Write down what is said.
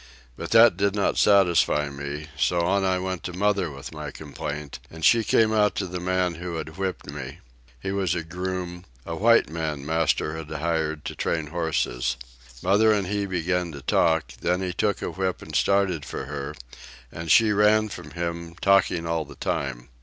But that did not satisfy me, so on I went to mother with my complaint and she came out to the man who had whipped me; he was a groom, a white man master had hired to train the horses. Mother and he began to talk, then he took a whip and started for her, and she ran from him, talking all the time.